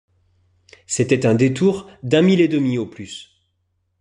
C’était un détour d’un mille et demi au plus.